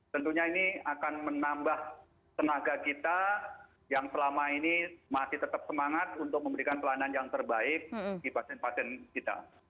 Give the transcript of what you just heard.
tentunya ini akan menambah tenaga kita yang selama ini masih tetap semangat untuk memberikan pelayanan yang terbaik bagi pasien pasien kita